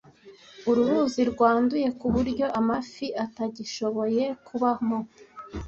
Uru ruzi rwanduye ku buryo amafi atagishoboye kubamo.